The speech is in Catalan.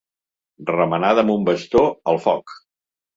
Remenada amb un bastó, al foc.